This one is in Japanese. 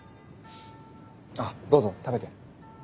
あっどうぞ食べて。